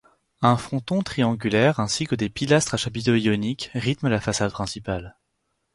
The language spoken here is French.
Un fronton triangulaire ainsi que des pilastres à chapiteaux ioniques rythment la façade principale.